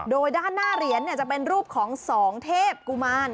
โดยด้านหน้าเหรียญจะเป็นรูปของ๒เทพกุมาร